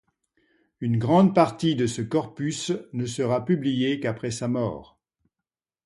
Une grande partie de ce corpus ne sera publiée qu'après sa mort.